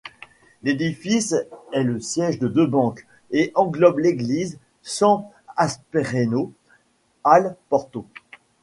L'édifice est le siège de deux banques et englobe l'église Sant'Aspreno al Porto.